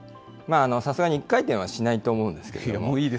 さすがに１回転はしないと思うんですけれども。